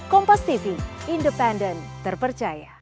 kompas tv independen terpercaya